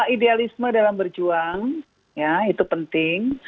idealisme dalam berjuang ya itu penting